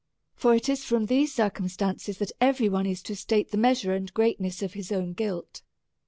For it is from these circumstances that every one is to state the measure and greatness of his own guilt.